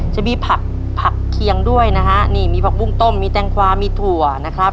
จะมีผักผักเคียงด้วยนะฮะนี่มีผักบุ้งต้มมีแตงกวามีถั่วนะครับ